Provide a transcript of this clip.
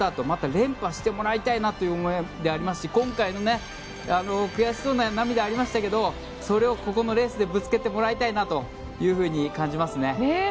また連覇してもらいたいなという思いでありますし今回の悔しそうな涙ありましたけどそれをここのレースでぶつけてもらいたいなと感じますね。